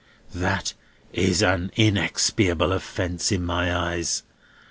That is an inexpiable offence in my eyes.